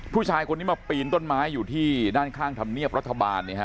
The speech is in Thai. ผู้ชายคนนี้มาปีนต้นไม้อยู่ที่ด้านข้างธรรมเนียบรัฐบาลเนี่ยฮะ